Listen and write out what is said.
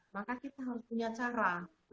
maka kita harus punya cara